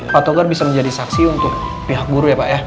pak togar bisa menjadi saksi untuk pihak guru ya pak ya